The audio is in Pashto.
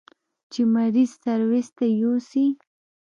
چې مريض سرويس ته يوسي.